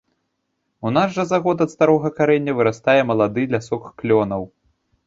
У нас жа за год ад старога карэння вырастае малады лясок клёнаў.